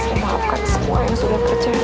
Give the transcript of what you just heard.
saya maafkan semua yang sudah terjadi